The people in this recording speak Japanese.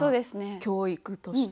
教育として。